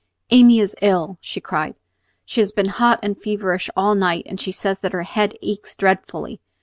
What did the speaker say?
"Amy is ill," she cried. "She has been hot and feverish all night, and she says that her head aches dreadfully.